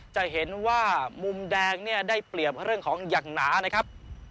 จะเห็นว่ามุมแดงเนี่ยได้เปรียบเรื่องของอย่างหนานะครับ